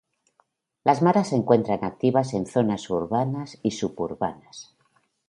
Las maras se encuentra activas en zonas urbanas y suburbanas.